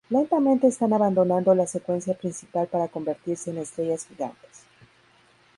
Lentamente están abandonando la secuencia principal para convertirse en estrellas gigantes.